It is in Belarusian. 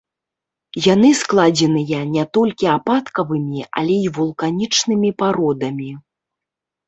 Яны складзеныя не толькі ападкавымі, але і вулканічнымі пародамі.